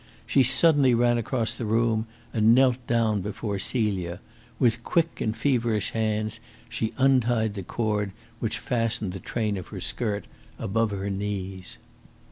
She suddenly ran across the room and knelt down before Celia. With quick and feverish hands she untied the cord which fastened the train of her skirt about her knees.